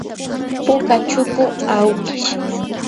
puka chuku awkish.